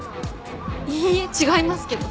いいえ違いますけど。